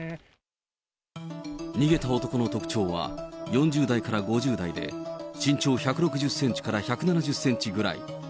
逃げた男の特徴は４０代から５０代で、身長１６０センチから１７０センチぐらい。